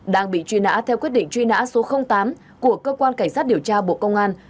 đang bị truy nã theo quyết định truy nã số tám của cơ quan cảnh sát điều tra bộ công an